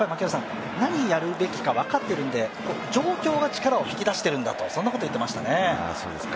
何をやるべきか分かっているので、状況が力を引き出しているんだと、そんなことを言っていましたね。